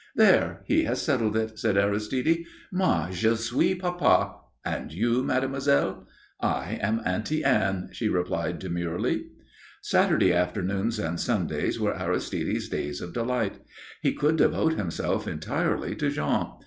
"There, he has settled it," said Aristide. "Moi je suis papa. And you, mademoiselle?" "I am Auntie Anne," she replied demurely. Saturday afternoons and Sundays were Aristide's days of delight. He could devote himself entirely to Jean.